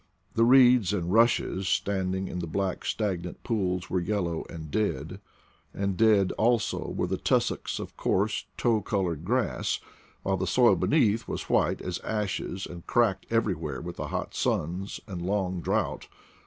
The reeds and rushes standing in the black stagnant pools were yellow and dead; and dead also were the tussocks of coarse tow colored grass, while the soil beneath was white as ashes and cracked everywhere with the hot suns and long drought.